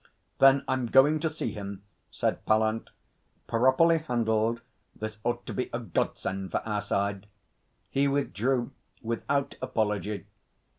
'Then I'm going to see him,' said Pallant. 'Properly handled this ought to be a godsend for our side.' He withdrew without apology.